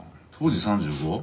当時３５？